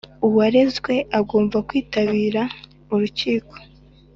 uwarezwe agomba kwitabira urukiko